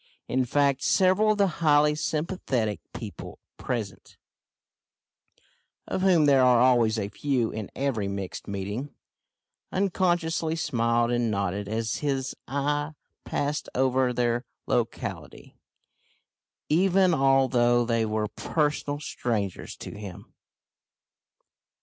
In fact several of the highly sympathetic people present of whom there are always a few in every mixed meeting unconsciously smiled and nodded as his eye passed over their locality, even although they were personal strangers to him.